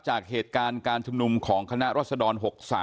จากเหตุการณ์การจำนวบของคณะราศนอน๖๓